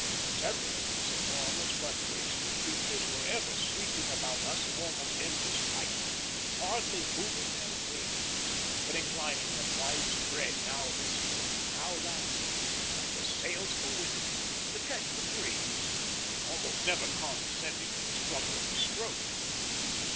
Several of these enormous but graceful creatures were ever sweeping about us in almost endless flight, hardly moving their wings, but inclining them wide spread, now this way, now that, like the sails of a windmill, to catch the breeze, almost never condescending to the struggle of a stroke.